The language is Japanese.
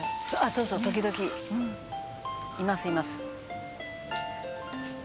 「そうそう時々いますいます」